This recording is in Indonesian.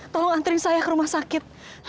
tolong antri saya ke rumah sakit